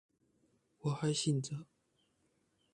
我還醒著